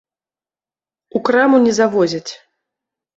У краму не завозяць.